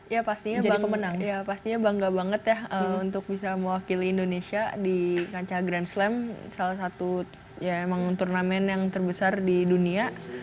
ya pastinya pastinya bangga banget ya untuk bisa mewakili indonesia di kancah grand slam salah satu ya emang turnamen yang terbesar di dunia